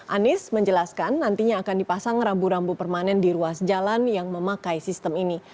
anies menjelaskan nantinya akan dipasang rambu rambu permanen di ruas jalan yang memakai sistem ini